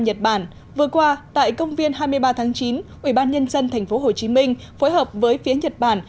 nhật bản vừa qua tại công viên hai mươi ba tháng chín ủy ban nhân dân tp hcm phối hợp với phía nhật bản